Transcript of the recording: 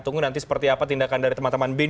tunggu nanti seperti apa tindakan dari teman teman bin